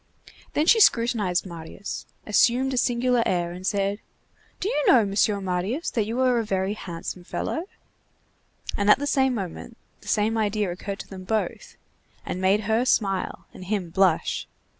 Then she scrutinized Marius, assumed a singular air and said:— "Do you know, Mr. Marius, that you are a very handsome fellow?" And at the same moment the same idea occurred to them both, and made her smile and him blush.